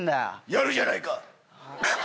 やるじゃないか。